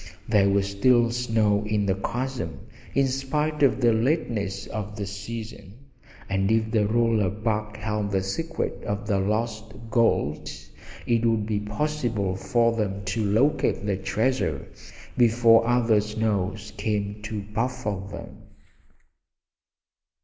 There was little snow in the chasm, in spite of the lateness of the season, and if the roll of bark held the secret of the lost gold it would be possible for them to locate the treasure before other snows came to baffle them.